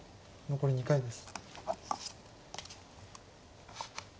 残り２回です。